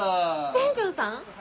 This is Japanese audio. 店長さん？